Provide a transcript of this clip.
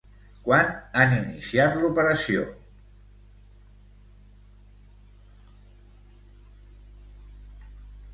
Quan han iniciat l'operació?